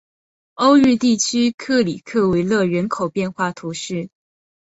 欧日地区克里克维勒人口变化图示